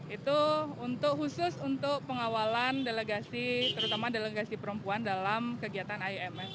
itu khusus untuk pengawalan delegasi terutama delegasi perempuan dalam kegiatan imf